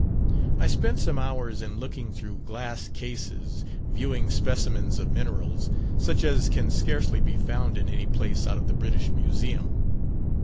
I spent some hours in looking through glass cases, viewing specimens of minerals, such as can scarcely be found in any place out of the British Museum.